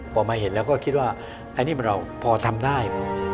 พอมาเห็นแล้วก็คิดว่าอันนี้เราพอทำได้